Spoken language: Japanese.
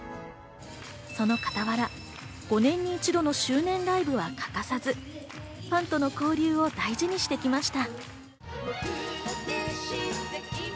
その傍ら、５年に一度の周年ライブは欠かさず、ファンとの交流を大事にしてきました。